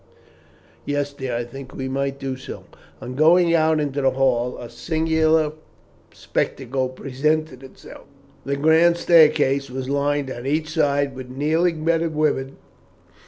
"Yes, dear, I think we might do so." On going out into the hall a singular spectacle presented itself. The grand staircase was lined on each side with kneeling men and women.